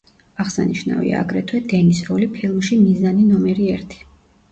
აღსანიშნავია აგრეთვე დენის როლი ფილმში „მიზანი ნომერი ერთი“.